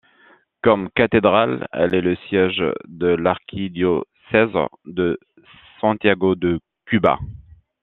Comme cathédrale, elle est le siège de l'archidiocèse de Santiago de Cuba.